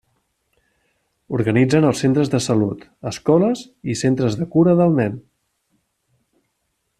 Organitzen els centres de salut, escoles, i centres de cura del nen.